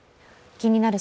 「気になる！